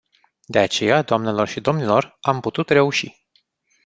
De aceea, doamnelor și domnilor, am putut reuși.